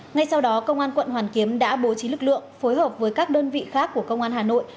ngay sau đó công an quận hoàn kiếm đã bố trí lực lượng phối hợp với các đơn vị khác của công an hà nội